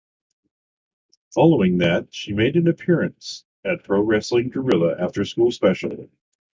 Following that, she made an appearance at Pro Wrestling Guerrilla After School Special.